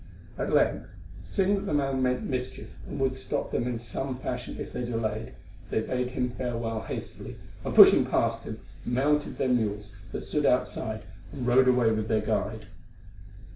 At length, seeing that the man meant mischief and would stop them in some fashion if they delayed, they bade him farewell hastily, and, pushing past him, mounted the mules that stood outside and rode away with their guide.